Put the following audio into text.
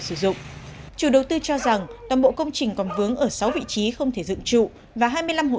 sử dụng chủ đầu tư cho rằng toàn bộ công trình còn vướng ở sáu vị trí không thể dựng trụ và hai mươi năm hộ